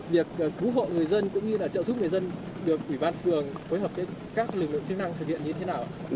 việc cứu hộ người dân cũng như là trợ giúp người dân được ủy ban phường phối hợp với các lực lượng chức năng thực hiện như thế nào